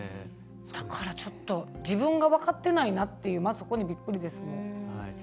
だから、ちょっと自分が分かってないなってそこにびっくりですね。